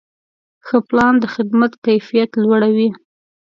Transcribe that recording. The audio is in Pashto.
ښه پلان د خدمت کیفیت لوړوي.